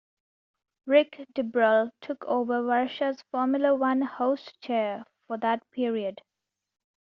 Rick DeBruhl took over Varsha's Formula One host chair for that period.